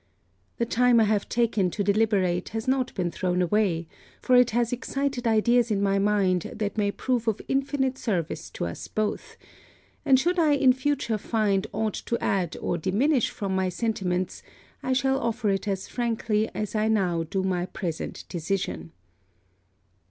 The time I have taken to deliberate has not been thrown away, for it has excited ideas in my mind that may prove of infinite service to us both: and should I in future find aught to add or diminish from my sentiments, I shall offer it as frankly as I now do my present decision.